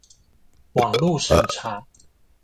網路審查